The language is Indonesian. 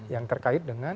yang terkait dengan